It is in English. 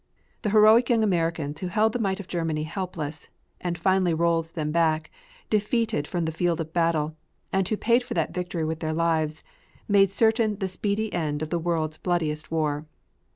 The heroic young Americans who held the might of Germany helpless and finally rolled them back defeated from the field of battle, and who paid for that victory with their lives, made certain the speedy end of the world's bloodiest war.